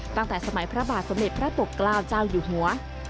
ตั้งแต่สมัยพระบาทสมเด็จพระปกเกล้าเจ้าอยู่หัว